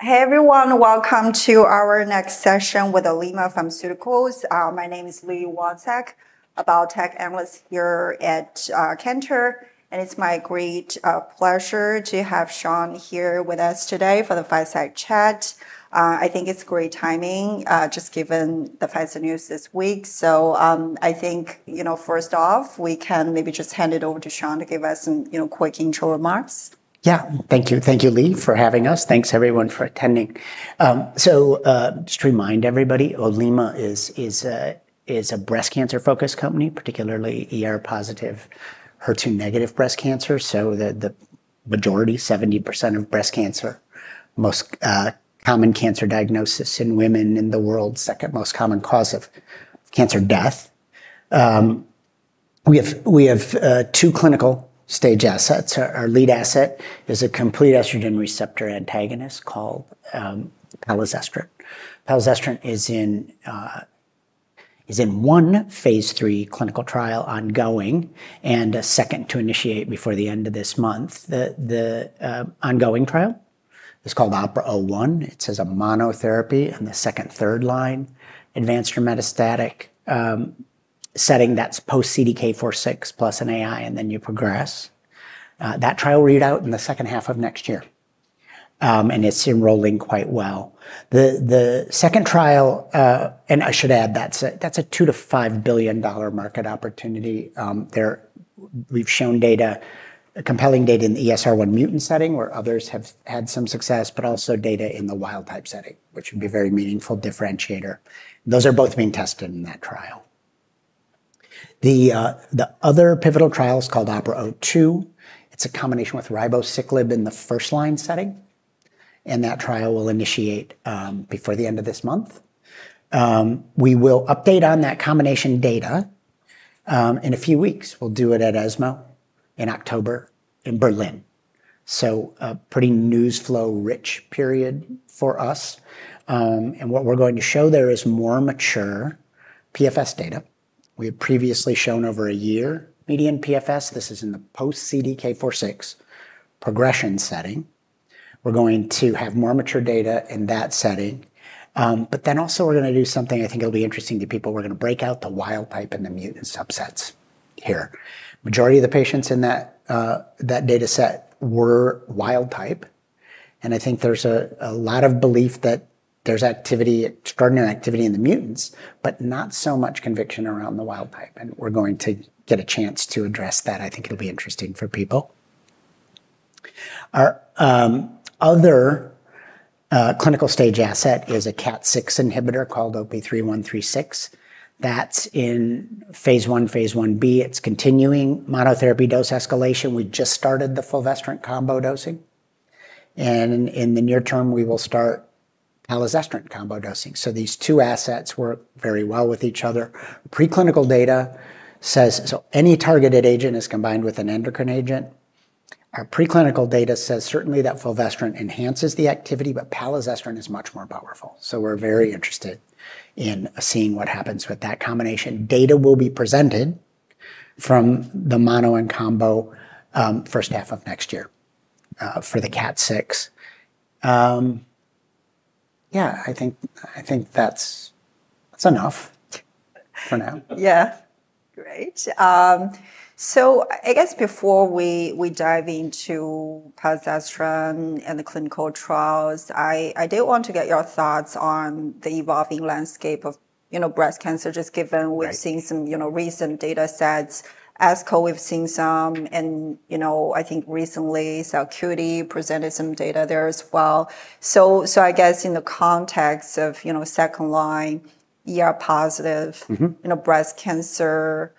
Hey, everyone. Welcome to our next session with Alima Pharmaceuticals. My name is Lee Wasek, a biotech analyst here at Cantor, and it's my great pleasure to have Sean here with us today for the fireside chat. I think it's great timing just given the fireside news this week. So I think, first off, we can maybe just hand it over to Sean to give us some quick intro remarks. Yeah. Thank Thank you, Lee, for having us. Thanks, everyone, for attending. So just to remind everybody, Olima is a breast cancer focused company, particularly ER positive, HER2 negative breast cancer, so the majority, seventy percent of breast cancer, most common cancer diagnosis in women in the world, second most common cause of cancer death. We have two clinical stage assets. Our lead asset is a complete oestrogen receptor antagonist called palisestrant. Palisestrant in one phase three clinical trial ongoing, and a second to initiate before the end of this month. Ongoing trial is called OPRA-one, it says a monotherapy in the second third line, advanced for metastatic setting that's post CDK foursix plus an AI, and then you progress. That trial will read out in the second half of next year, and it's enrolling quite well. The second trial, and I should add, that's a 2 to $5,000,000,000 market opportunity. We've shown data, compelling data in the ESR1 mutant setting, where others have had some success, but also data in the wild type setting, which would be a very meaningful differentiator. Those are both being tested in that trial. The other pivotal trial is called Opera two. It's a combination with ribociclib in the first line setting, and that trial will initiate before the end of this month. We will update on that combination data in a few weeks. We'll do it at ESMO in October in Berlin. So a pretty news flow rich period for us. And what we're going to show there is more mature PFS data. We have previously shown over a year median PFS. This is in the post CDK four six progression setting. We're going to have more mature data in that setting. But then also we're going to do something I think will be interesting to people. We're going to break out the wild type and the mutant subsets here. Majority of the patients in that data set were wild type, And I think there's a lot of belief that there's activity, extraordinary activity in the mutants, but not so much conviction around the wild type. And we're going to get a chance to address that. I think it'll be interesting for people. Our other clinical stage asset is a cat six inhibitor called OP-three thousand one hundred thirty six. That's in phase one, phase one b. It's continuing monotherapy dose escalation. We just started the fulvestrant combo dosing, and in the near term we will start alisestrant combo dosing. So these two assets work very well with each other. Preclinical data says so any targeted agent is combined with an endocrine agent. Our preclinical data says certainly that fulvestrant enhances the activity, but palisestrant is much more powerful. So we're very interested in seeing what happens with that combination. Data will be presented from the mono and combo, first half of next year, for the cat six. Yeah. I think I think that's that's enough for now. Yeah. Great. So, I guess before we dive into posastron and the clinical trials, do want to get your thoughts on the evolving landscape of breast cancer just given we're seeing some recent data sets ASCO we've seen some and I think recently Cell Cudi presented some data there as well. So I guess in the context of second line ER positive breast cancer,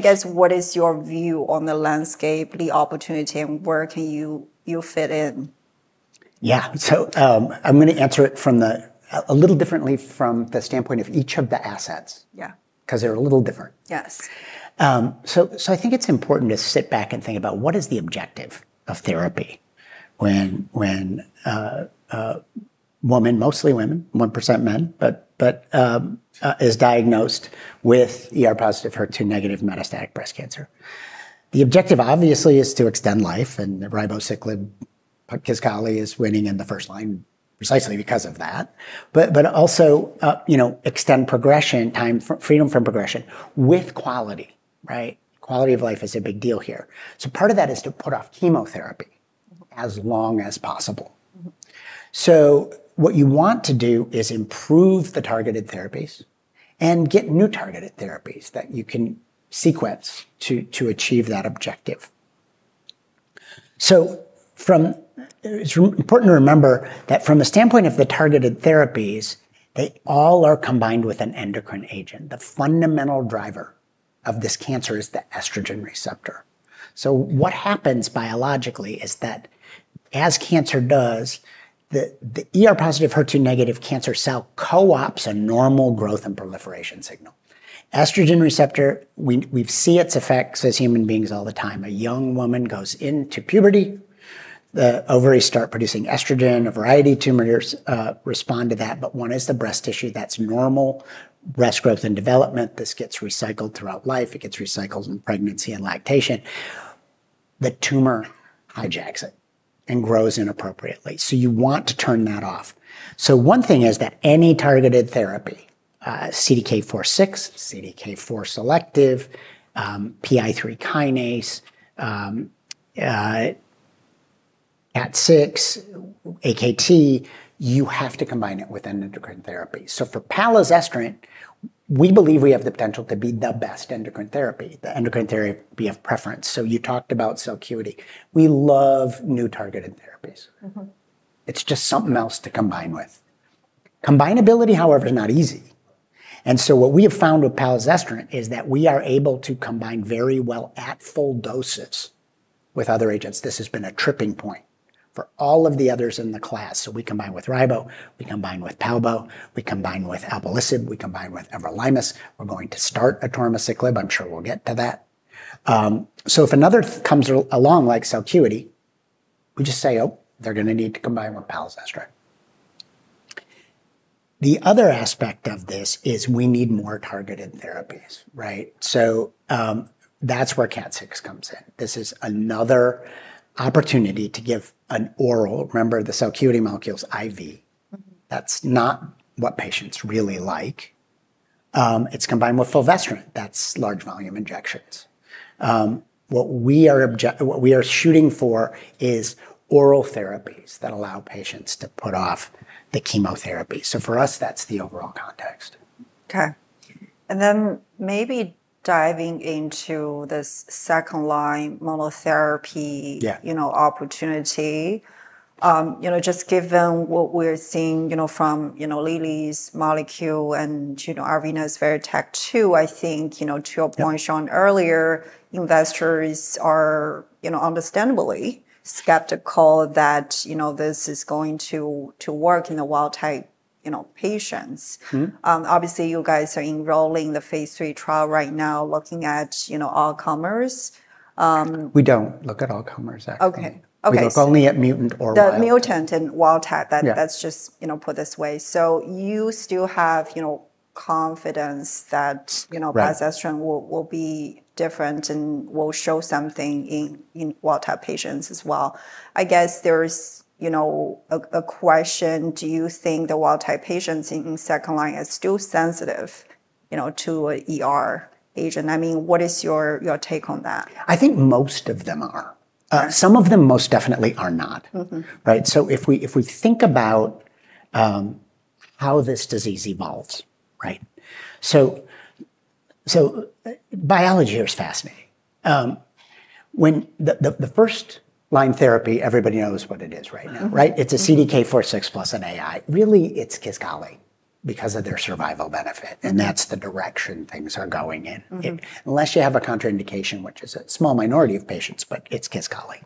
guess what is your view on the landscape, the opportunity, and where can you fit in? Yeah. So, I'm going to answer it a little differently from the standpoint of each of the assets. Yeah. Because they're a little different. Yes. So, I think it's important to sit back and think about what is the objective of therapy when women, mostly women, one percent men, is diagnosed with ER positive HER2 negative metastatic breast cancer. The objective, obviously, is to extend life and ribociclib Kisqali is winning in the first line precisely because of that. But but also, you know, extend progression time, freedom from progression, with quality. Right? Quality of life is a big deal here. So part of that is to put off chemotherapy as long as possible. So what you want to do is improve the targeted therapies and get new targeted therapies that you can sequence to achieve that objective. So, from it's important to remember that from the standpoint of the targeted therapies, they all are combined with an endocrine agent. The fundamental driver of this cancer is the estrogen receptor. So what happens biologically is that, as cancer does, the ER plus HER2 negative cancer cell co opts a normal growth and proliferation signal. Estrogen receptor, we see its effects as human beings all the time. A young woman goes into puberty, the ovaries start producing estrogen, a variety of tumors respond to that, but one is the breast tissue, that's normal. Breast growth and development, this gets recycled throughout life, it gets recycled in pregnancy and lactation. The tumor hijacks it, and grows inappropriately. So you want to turn that off. So one thing is that any targeted therapy, CDK4six, CDK4 selective, PI3 kinase, AT6, AKT, you have to combine it with an endocrine therapy. So for palisestrant, we believe we have the potential to be the best endocrine therapy, the endocrine therapy of preference. So you talked about Celcuity. We love new targeted therapies. It's just something else to combine with. Combinability, however, is not easy. And so what we have found with palazestrant is that we are able to combine very well at full doses with other agents. This has been a tripping point for all of the others in the class. So we combine with ribo, we combine with palbo, we combine with abalicib, we combine with everolimus, we're going to start atoramaciclib, I'm sure we'll get to that. So if another comes along like Celcuity, we just say, oh, they're going to need to combine with palazastrate. The other aspect of this is we need more targeted therapies. Right? So that's where cat six comes in. This is another opportunity to give an oral remember, the cell acuity molecule's IV. That's not what patients really like. It's combined with fulvestrant, that's large volume injections. What we are object what we are shooting for is oral therapies that allow patients to put off the chemotherapy. So for us, that's the overall context. Okay. And then maybe diving into this second line monotherapy opportunity, Just given what we're seeing from Lilly's molecule and Arvina's very tech too, I think to your point Sean earlier, investors are understandably skeptical that this is going to work in the wild type patients. Obviously, you guys are enrolling the Phase III trial right now looking at all comers. We don't look at all comers actually. Okay. We look only at mutant or wild The mutant and wild type. That's just put this way. So, you still have confidence know, will be different and will show something in wild type patients as well. I guess there is, you know, a question, do you think the wild type patients in second line is still sensitive, to an ER agent? I mean, what is your take on that? I think most of them are. Some of them most definitely are not. Right? So if we think about how this disease evolves, right? Biology here is fascinating. When the first line therapy, everybody knows what it is right now, right? It's a CDK four six plus an AI. Really, it's Kisqali because of their survival benefit, and that's the direction things are going in. Unless you have a contraindication, which is a small minority of patients, but it's Kisqali.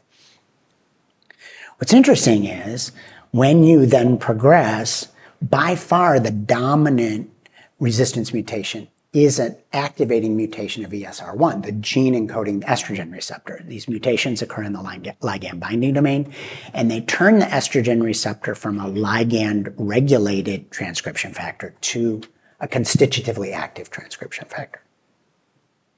What's interesting is, when you then progress, by far the dominant resistance mutation is an activating mutation of ESR1, the gene encoding estrogen receptor. These mutations occur in the ligand binding domain, and they turn the estrogen receptor from a ligand regulated transcription factor to a constitutively active transcription factor.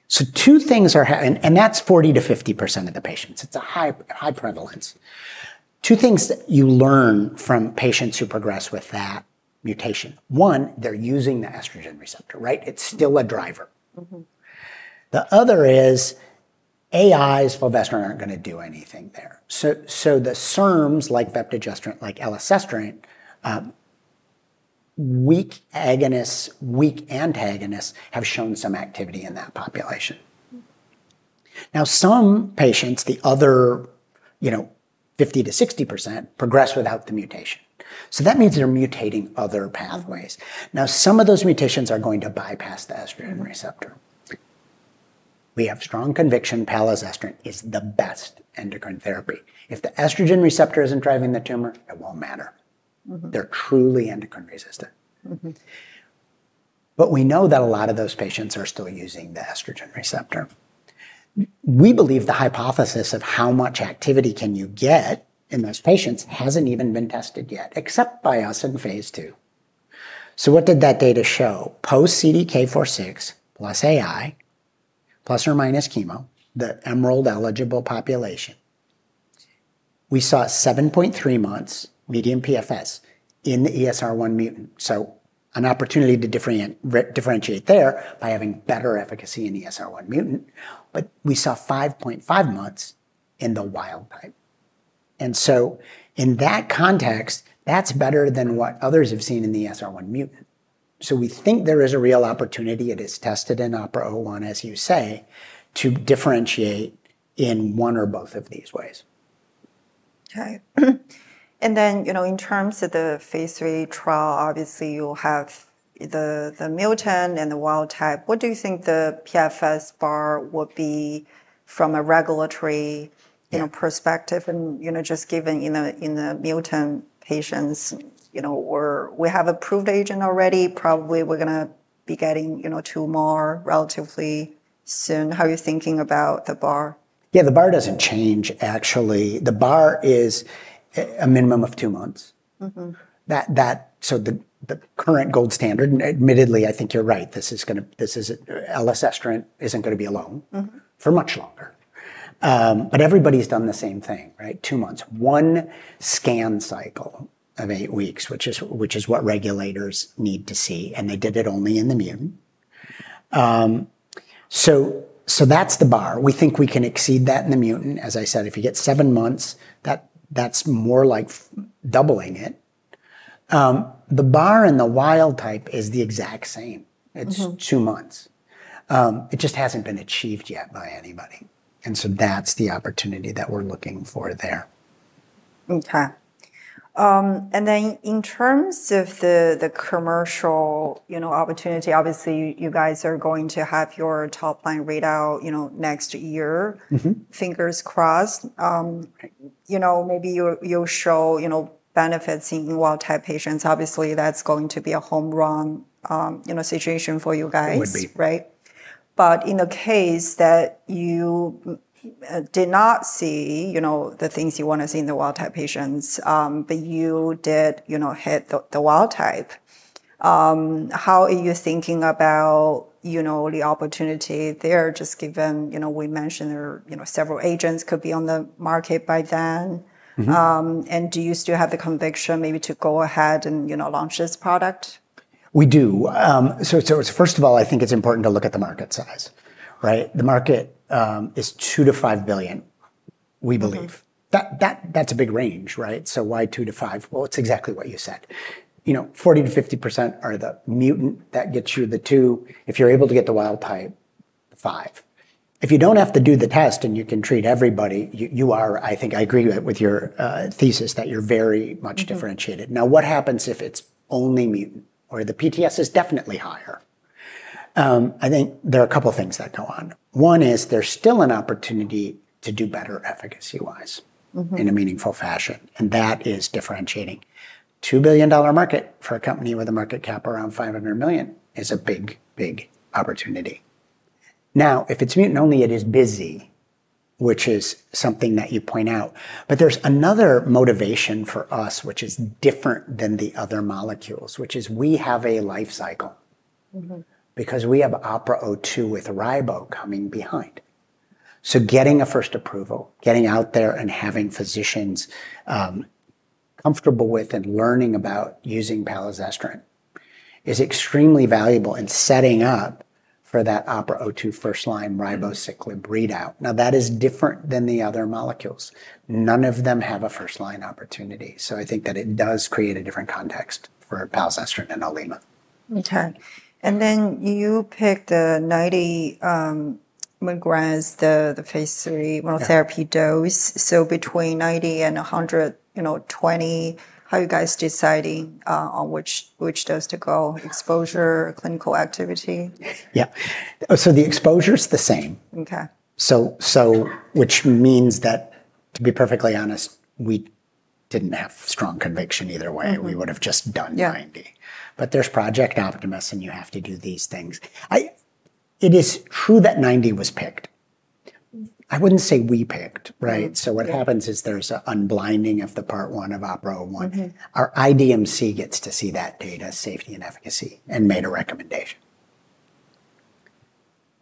So two things are and that's forty to fifty percent of the patients. It's a high prevalence. Two things that you learn from patients who progress with that mutation: one, they're using the estrogen receptor, right? It's still a driver. The other is AIs, fulvestrant aren't going to do anything there. So the SERMs, like veptigestrant, like elacestrant, weak agonists, weak antagonists, have shown some activity in that population. Now, patients, the other fifty-sixty percent, progress without the mutation. So that means they're mutating other pathways. Now some of those mutations are going to bypass the estrogen receptor. We have strong conviction that palazestrin is the best endocrine therapy. If the estrogen receptor isn't driving the tumor, it won't matter. They're truly endocrine resistant. But we know that a lot of those patients are still using the estrogen receptor. We believe the hypothesis of how much activity can you get in those patients hasn't even been tested yet, except by us in phase two. So what did that data show? Post CDK foursix, plus AI, plus or minus chemo, the Emerald eligible population. We saw seven point three months median PFS in ESR1 mutant. So an opportunity to differentiate there by having better efficacy in ESR1 mutant, but we saw five point five months in the wild type. And so, in that context, that's better than what others have seen in the SR1 mutant. So we think there is a real opportunity, it is tested in OPRA01, as you say, to differentiate in one or both of these ways. Okay. And then in terms of the Phase III trial, obviously you have the mutant and the wild type. What do you think the PFS bar would be from a regulatory perspective? And just given in the mutant patients, have approved agent already, probably we're going to be getting two more relatively soon. How are you thinking about the bar? Yeah. The bar doesn't change, actually. The bar is a minimum of two months. Mhmm. That that so the the current gold standard, and admittedly, I think you're right. This is gonna this isn't isn't gonna be alone Mhmm. For much longer. But everybody's done the same thing. Right? Two months. One scan cycle of eight weeks, which is which is what regulators need to see, and they did it only in the mutant. So so that's the bar. We think we can exceed that in the mutant. As I said, if you get seven months, that that's more like doubling it. The bar in the wild type is the exact same. It's two months. It just hasn't been achieved yet by anybody. And so that's the opportunity that we're looking for there. Okay. And then in terms of the the commercial opportunity, obviously, you guys are going to have your top line readout next year, fingers crossed. Maybe you'll show benefits in UL type patients. Obviously, that's going to be a home situation for you guys. It would be. Right? But in the case that you did not see the things you want to see in the wild type patients, but you did hit wild type, How are you thinking about the opportunity there, just given we mentioned there are several agents that could be on the market by then? And do you still have the conviction maybe to go ahead and launch this product? We do. So so first of all, I think it's important to look at the market size. Right? The market is 2 to 5,000,000,000, we believe. That that that's a big range. Right? So why 2 to 5? Well, it's exactly what you said. Forty to fifty percent are the mutant that gets you the two. If you're able to get the wild type, five. If you don't have to do the test and you can treat everybody, you you are I think I agree with your thesis that you're very much differentiated. Now what happens if it's only mutant, or the PTS is definitely higher? I think there are a couple of things that go on. One is there's still an opportunity to do better efficacy wise in a meaningful fashion, and that is differentiating. $2,000,000,000 market for a company with a market cap around 500,000,000 is a big, big opportunity. Now, if it's mutant only, it is busy, which is something that you point out. But there's another motivation for us which is different than the other molecules, which is we have a life cycle. Mhmm. Because we have APRA o two with ribo coming behind. So getting a first approval, getting out there and having physicians comfortable with and learning about using palazestrin, is extremely valuable in setting up for that Opera O2 first line ribociclib readout. Now that is different than the other molecules. None of them have a first line opportunity. So I think that it does create a different context for palcestrant and Aleema. Okay. And then you picked the ninety mgrenz, the phase three monotherapy dose, so between ninety and one hundred and twenty, how are you guys deciding on which dose to go? Exposure, clinical activity? Yeah. So the exposure is the same. Okay. So so which means that, to be perfectly honest, we didn't have strong conviction either way. We would have just done 90. But there's project optimists, and you have to do these things. I it is true that 90 was picked. I wouldn't say we picked. Right? So what happens is there's an unblinding of the part one of OPRO one. Mhmm. Our IDMC gets to see that data, safety and efficacy, and made a recommendation.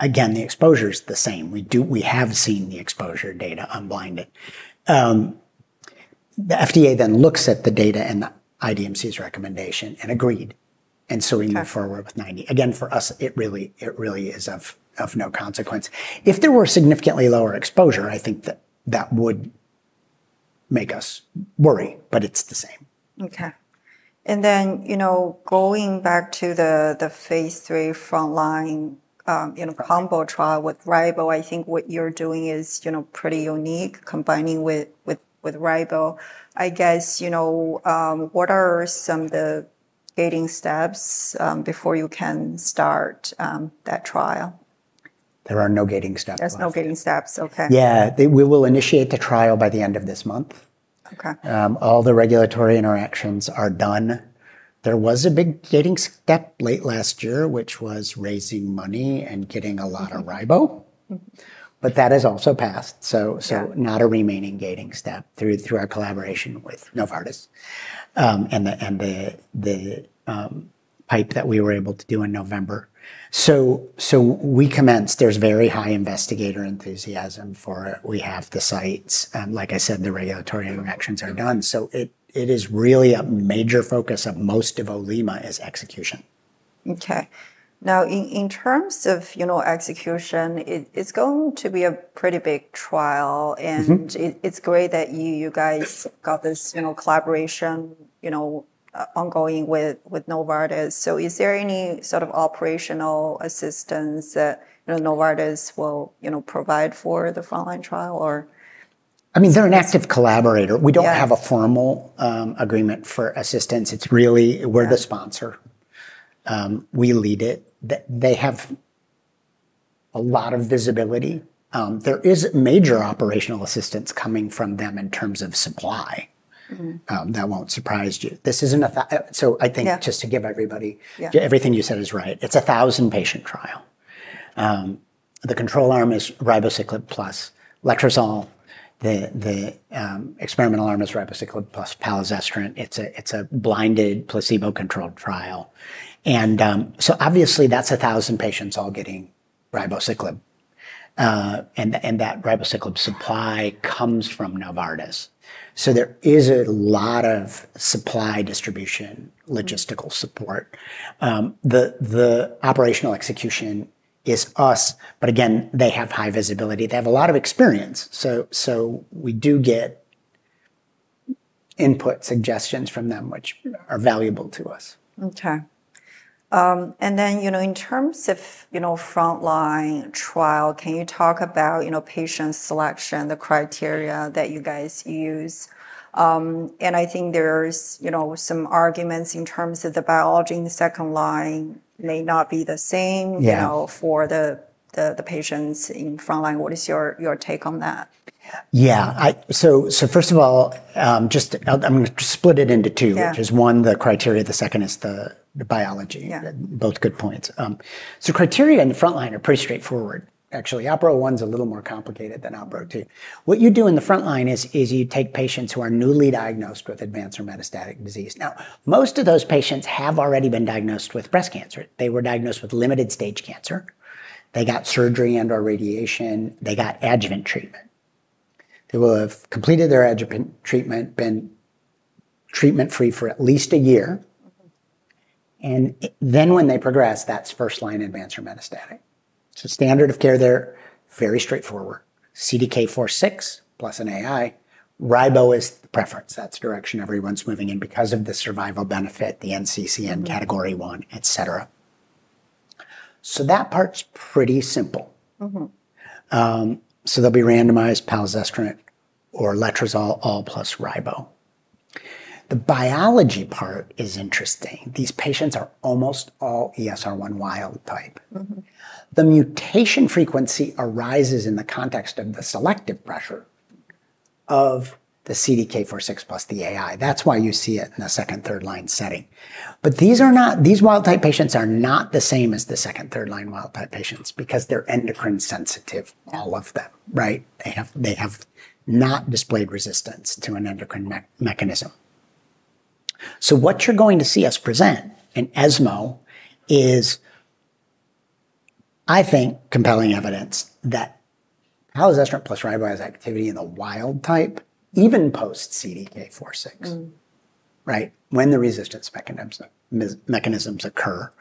Again, the exposure is the same. We have seen the exposure data unblinded. The FDA then looks at the data and IDMC's recommendation and agreed, and so we move forward with 90. Again, for us, it really is of no consequence. If there were significantly lower exposure, I think that that would make us worry, but it's the same. Okay. And then, you know, going back to the the phase three frontline, combo trial with RIBO, I think what you're doing is pretty unique combining with RIBO. I guess, what are some of the gating steps before you can start that trial? There are no gating steps. There's no gating steps. Okay. Yeah. We will initiate the trial by the end of this month. Okay. All the regulatory interactions are done. There was a big gating step late last year, which was raising money and getting a lot of ribo, but that has also passed. So not a remaining gating step through through our collaboration with Novartis and the and the pipe the that we were able to do in November. So we commenced, there's very high investigator enthusiasm for it. We have the sites, and like I said, the regulatory interactions are done. It is really a major focus of most of Olima is execution. Okay. Now, in terms of execution, it's going to be a pretty big trial it's great that you guys got this collaboration ongoing with with Novartis. So is there any sort of operational assistance that Novartis will, you know, provide for the frontline trial or I mean, they're an active collaborator. Don't have a formal agreement for assistance. It's really we're the sponsor. We lead it. They have a lot of visibility. There is major operational assistance coming from them in terms of supply. That won't surprise you. This isn't a I think just to give everybody everything you said is right. It's a thousand patient trial. The control arm is Ribociclib plus Letrozole, the experimental arm is Ribociclib plus Palisestrant, it's a blinded, placebo controlled trial. So obviously that's a thousand patients all getting Ribociclib. And that ribociclib supply comes from Novartis. So there is a lot of supply distribution logistical support. The operational execution is us, but again, they have high visibility. They have a lot of experience. So so we do get input suggestions from them which are valuable to us. Okay. And then, in terms of frontline trial, can you talk about patient selection, the criteria that you guys use? And I think there's some arguments in terms of the biology in the second line may not be the same for the patients in frontline. What is your take on that? Yeah, so first of all, I'm going to split it into two, which is one the criteria, the second is the biology. Both good points. So criteria in the front line are pretty straightforward. Actually, OPRO-one is a little more complicated than OPRO-two. What you do in the front line is you take patients who are newly diagnosed with advanced or metastatic disease. Now, most of those patients have already been diagnosed with breast cancer. They were diagnosed with limited stage cancer. They got surgery and or radiation, they got adjuvant treatment. They will have completed their adjuvant treatment, been treatment free for at least a year, and then when they progress, that's first line advanced for metastatic. It's a standard of care there, very straightforward. CDK foursix plus an AI. RIBO is the preference, that's the direction everyone's moving in because of the survival benefit, the NCCN category one, etc. So that part's pretty simple. So they'll be randomized, palzestrant, or letrozole all plus ribo. The biology part is interesting. These patients are almost all ESR1 wild type. The mutation frequency arises in the context of the selective pressure of the CDK foursix plus the AI, that's why you see it in the second third line setting. But these are not, these wild type patients are not the same as the second third line wild type patients, because they are endocrine sensitive, all of them. Right? They not displayed resistance to an endocrine mechanism. So what you are going to see us present in ESMO is, I think, compelling evidence that halosestrant plus riboye's activity in the wild type, even post CDK foursix, when the resistance mechanisms occur.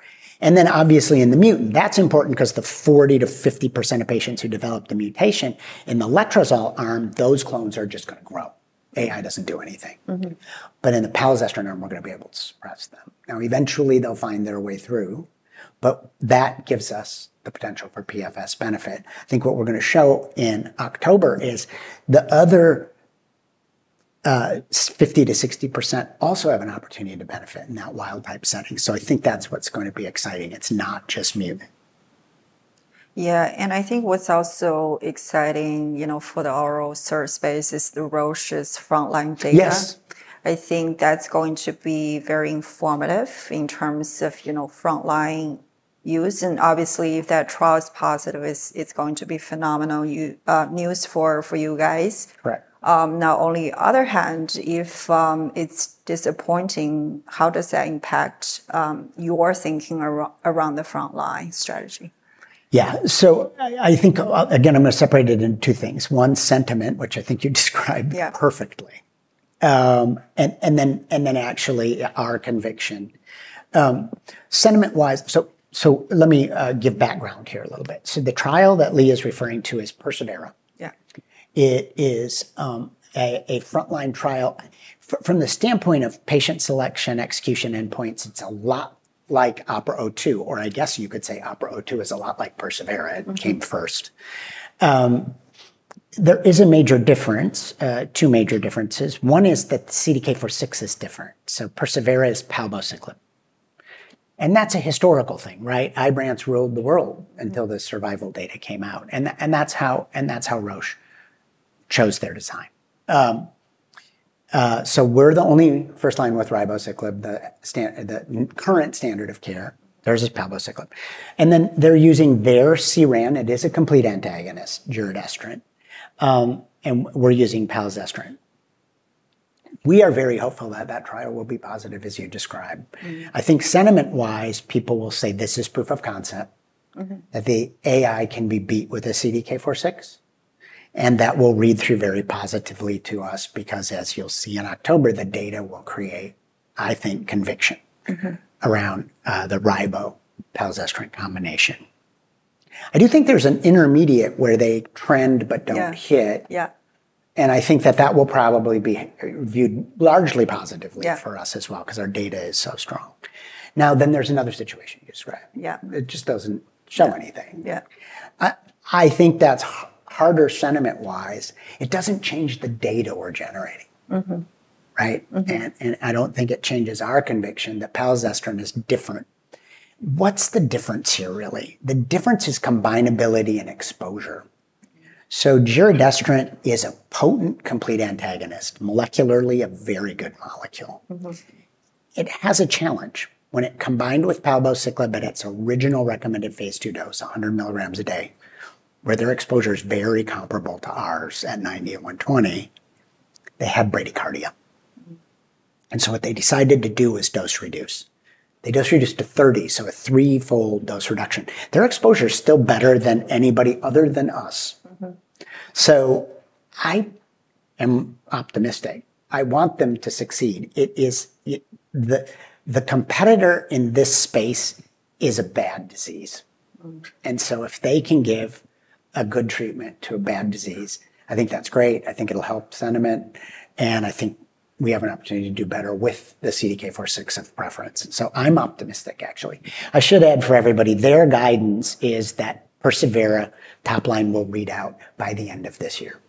And then obviously in the mutant, that's important because the forty to fifty percent of patients who develop the mutation in the letrozole arm, those clones are just going to grow. AI doesn't do anything. But in the palisestrant arm, we're going be able to suppress them. Now eventually, they'll find their way through, but that gives us the potential for PFS benefit. I think what we're gonna show in October is the other 50 to 60% also have an opportunity to benefit in that wild type setting. So, think that's what's going to be exciting. It's not just me. Yeah. And I think what's also exciting for the oral search space is the Roche's frontline data. Yes. I think that's going to be very informative in terms of, you know, frontline use. And, obviously, if that trial is positive, it's it's going to be phenomenal you news for for you guys. Correct. Now, the other hand, if it's disappointing, how does that impact your thinking around the front line strategy? Yeah. So I I think, again, I'm gonna separate it in two things. One, sentiment, which I think you described Yeah. Perfectly. And and then and then actually our conviction. Sentiment wise so so let me give background here a little bit. So the trial that Lee is referring to is PERSONAERA. Yeah. It is a a frontline trial. From the standpoint of patient selection execution endpoints, it's a lot like Opera O2, or I guess you could say Opera O2 is a lot like Persuvera, it came first. There is a major difference, two major differences. One is that CDK four six is different, so Perseverance, palbociclib. And that's a historical thing, right? Ibrance ruled the world until the survival data came out, and that's how and that's how Roche chose their design. So we're the only first line with ribociclib, the stand the current standard of care. There's a palbociclib. And then they're using their CRAN. It is a complete antagonist, Gerodestrin. And we're using Palzestrin. We are very hopeful that that trial will be positive as you described. I think sentiment wise, people will say this is proof of concept Mhmm. That the AI can be beat with a CDK four six, and that will read through very positively to us because as you'll see in October, the data will create, I think, conviction Mhmm. Around the ribo, palisestrant combination. I do think there's an intermediate where they trend but don't hit. Yeah. And I think that that will probably be viewed largely positively Yeah. For us as well because our data is so strong. Now, then there's another situation you described. Yeah. It just doesn't show anything. Yeah. I think that's harder sentiment wise. It doesn't change the data we're generating. Mhmm. Right? Mhmm. And and I don't think it changes our conviction that palzestrant is different. What's the difference here, really? The difference is combinability and exposure. Jiradestrant is a potent, complete antagonist, molecularly a very good molecule. It has a challenge. When it combined with palbociclib at its original recommended phase two dose, one hundred milligrams a day, where their exposure is very comparable to ours at ninety and one hundred twenty, they have bradycardia. So what they decided to do is dose reduce. They dose reduced to thirty, so a three fold dose reduction. Their exposure is still better than anybody other than us. So I am optimistic. I want them to succeed. It is the the competitor in this space is a bad disease. And so if they can give a good treatment to a bad disease, I think that's great, I think it'll help sentiment, and I think we have an opportunity to do better with the CDK four six of preference. So I'm optimistic, actually. I should add for everybody, their guidance is that Persevera top line will read out by the end of this year.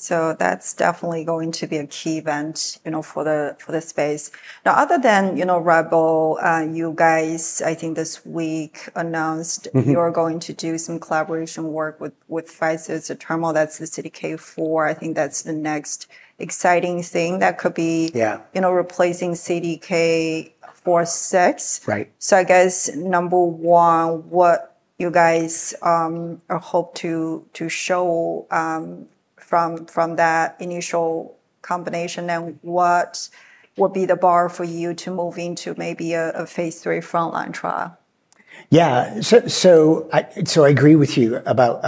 Yeah. So that's definitely going to be a key event, you know, for the for the space. Now other than, you know, Rebel, you guys, I think this week, announced you're going to do some collaboration work with with Pfizer's terminal. That's the CDK four. I think that's the next exciting thing that could be Yeah. You know, replacing CDK four six. Right. So I guess, number one, what you guys hope to to show from from that initial combination, and what would be the bar for you to move into maybe a a phase three frontline trial? Yeah. So, agree with you about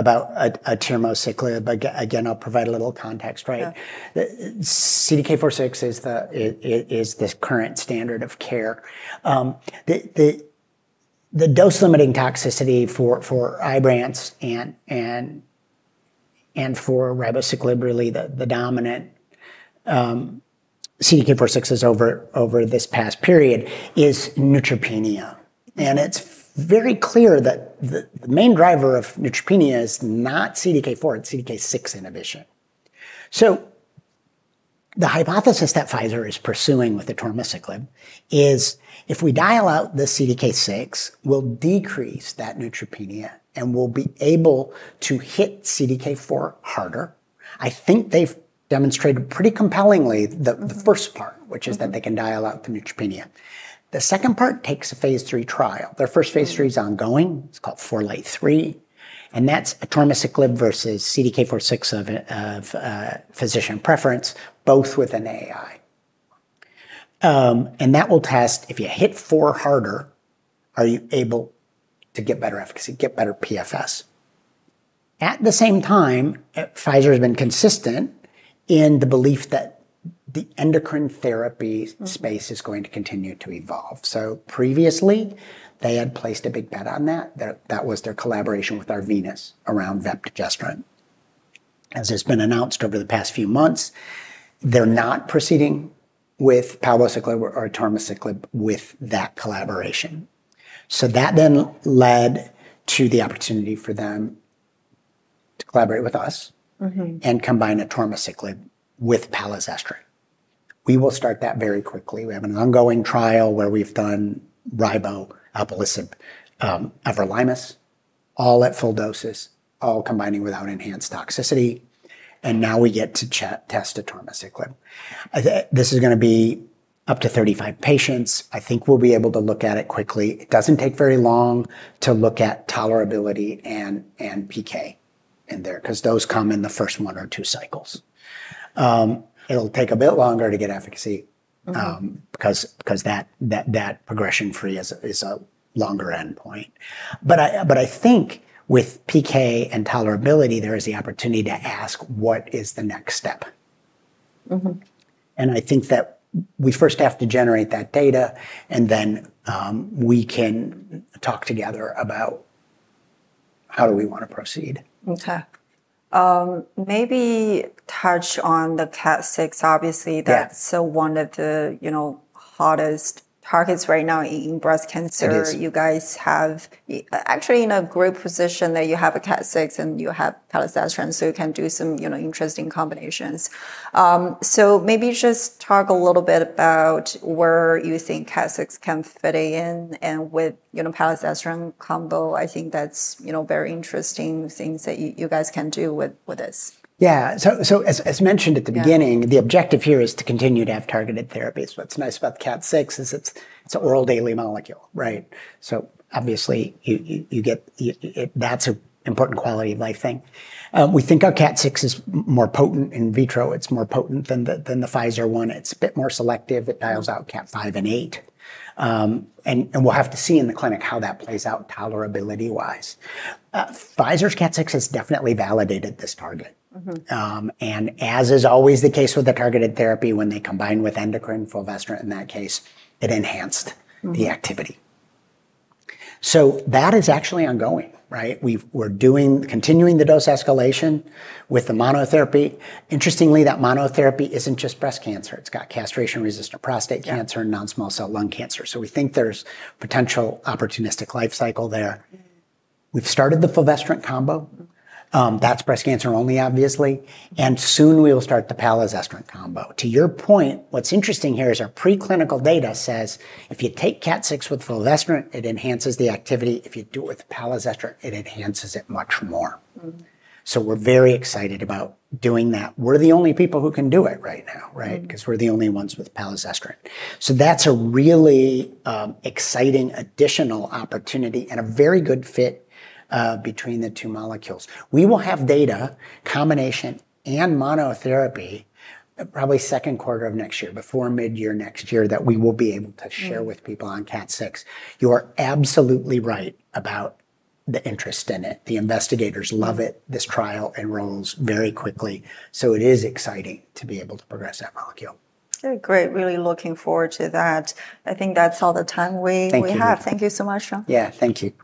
a term of ciclib. Again, I'll provide a little context, right? CDK foursix is this current standard of care. The dose limiting toxicity for Ibrance and for ribociclib really, dominant CDK foursix's over this past period, is neutropenia, and it's very clear that the main driver of neutropenia is not CDK four, it's CDK six inhibition. So, the hypothesis that Pfizer is pursuing with atoramisiclib is, if we dial out the CDK6, we'll decrease that neutropenia, and we'll be able to hit CDK4 harder. I think they've demonstrated pretty compellingly the first part, which is that they can dial out the neutropenia. The second part takes a phase three trial. Their first phase three is ongoing, it's called four late three, and that's atorvastatin versus CDK foursix of physician preference, both with an AI. And that will test if you hit four harder, are you able to get better efficacy, get better PFS. At the same time, Pfizer has been consistent in the belief that the endocrine therapy space is going to continue to evolve. So previously, they had placed a big bet on that. That was their collaboration with our Venus around Vepigestrant. As has been announced over the past few months, they're not proceeding with palbociclib or atoramaciclib with that collaboration. So that then led to the opportunity for them to collaborate with us Mhmm. And combine atoramaciclib with palazestrate. We will start that very quickly. We have an ongoing trial where we've done Ribo, Alpulisib, Everlimis, all at full doses, all combining without enhanced toxicity, and now we get to test atormaciclib. This is going to be up to thirty five patients. I think we'll be able to look at it quickly. It doesn't take very long to look at tolerability and PK in there, because those come in the first one or two cycles. It'll take a bit longer to get efficacy Mhmm. Because because that that that progression free is is a longer endpoint. But I but I think with PK and tolerability, there is the opportunity to ask what is the next step. Mhmm. And I think that we first have to generate that data, and then we can talk together about how do we wanna proceed. Okay. Maybe touch on the CAT six, obviously. That's one of the hottest targets right now in breast cancer. Sure. Guys have actually in a great position that you have a CAT six and you have telesterence, so you can do some interesting combinations. So, maybe just talk a little bit about where you think Casix can fit in, and with palisestrant combo, I think that's very interesting things that you guys can do with this. Yeah, so as mentioned at the beginning, the objective here is to continue to have targeted therapies. What's nice about CAT6 is that it's an oral daily molecule, right? So, obviously, you get that's an important quality of life thing. We think our cat six is more potent in vitro. It's more potent than the than the Pfizer one. It's a bit more selective. It dials out cat five and eight. And and we'll have to see in the clinic how that plays out tolerability wise. Pfizer's Cat six has definitely validated this target. Mhmm. And as is always the case with the targeted therapy, when they combine with endocrine, fulvestrant in that case, it enhanced the activity. So that is actually ongoing, right? We're continuing the dose escalation with the monotherapy. Interestingly, that monotherapy isn't just breast cancer. It's got castration resistant prostate cancer and non small cell lung cancer. So we think there's potential opportunistic life cycle there. We've started the fulvestrant combo. That's breast cancer only, obviously. And soon we will start the palazestrant combo. To your point, what's interesting here is our preclinical data says if you take Cat six with Fulvestrant, it enhances the activity, if you do it with Palisestrant, it enhances it much more. So we're very excited about doing that. We're the only people who can do it right now, right? Because we're the only ones with Palisestrant. So that's a really exciting additional opportunity, and a very good fit between the two molecules. We will have data, combination, and monotherapy, probably second quarter of next year, before mid year next year, that we will be able to share with people on Cat six. Are absolutely right about the interest in it. The investigators love it. This trial enrolls very quickly, So it is exciting to be able to progress that molecule. Okay. Great. Really looking forward to that. I think that's all the time we have. Thank you so much, Sean. Yeah. Thank you.